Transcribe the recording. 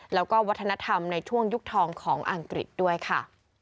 แล้วก็วัฒนธรรมในช่วงยุคทองของอังกฤษด้วยค่ะ